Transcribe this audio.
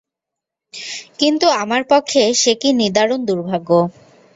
কিন্তু আমার পক্ষে সে কি নিদারুণ দুর্ভাগ্য।